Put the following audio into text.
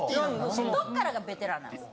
どっからがベテランなんです？